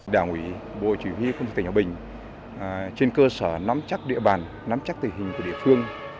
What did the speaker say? đảng ủy bộ chỉ huy công ty tỉnh hòa bình trên cơ sở nắm chắc địa bàn nắm chắc tình hình của địa phương